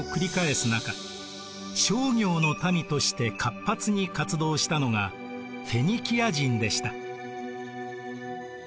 商業の民として活発に活動したのがフェニキア人でした。